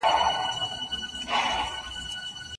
کسب او کار خلک په خپلو پښو دروي.